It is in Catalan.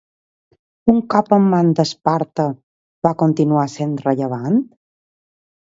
Un cop en mans d'Esparta, va continuar sent rellevant?